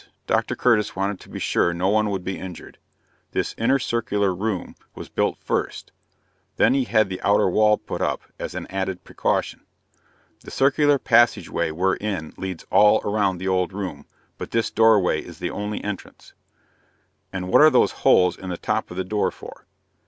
Dr. Curtis wanted to be sure no one would be injured. This inner circular room was built first; then he had the outer wall put up as an added precaution. The circular passageway we're in leads all around the old room, but this doorway is the only entrance." "And what are those holes in the top of the door for?"